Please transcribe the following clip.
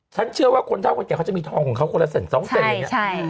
เชื่อว่าคนเท่าคนแก่เขาจะมีทองของเขาคนละเส้นสองเส้นอะไรอย่างนี้